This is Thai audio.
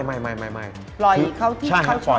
ปล่อยเขาที่เขาชอบ